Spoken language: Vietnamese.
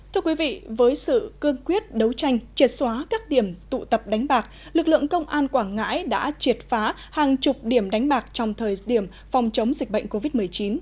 thưa quý vị với sự cương quyết đấu tranh triệt xóa các điểm tụ tập đánh bạc lực lượng công an quảng ngãi đã triệt phá hàng chục điểm đánh bạc trong thời điểm phòng chống dịch bệnh covid một mươi chín